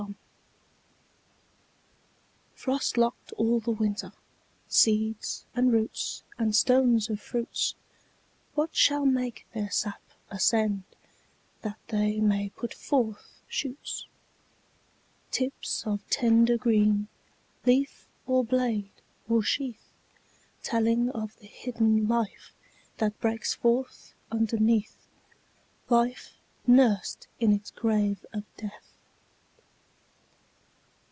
SPRING. Frost locked all the winter, Seeds, and roots, and stones of fruits, What shall make their sap ascend That they may put forth shoots? Tips of tender green, Leaf, or blade, or sheath; Telling of the hidden life That breaks forth underneath, Life nursed in its grave by Death.